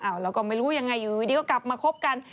เราก็ไม่รู้ยังไงอยู่ดีก็กลับมาคบกัน